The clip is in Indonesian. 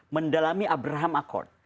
mendalami abraham accord